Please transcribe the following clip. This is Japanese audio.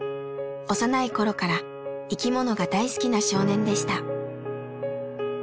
幼い頃から生きものが大好きな少年でした。